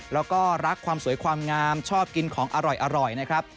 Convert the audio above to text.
แล้วก็รักความสวยความงามชอบกินของอร่อยนะครับ